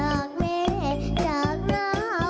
น้ำตาตกโคให้มีโชคเมียรสิเราเคยคบกันเหอะน้ำตาตกโคให้มีโชค